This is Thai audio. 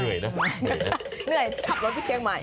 เหนื่อยจะขับรถไปเชียงใหม่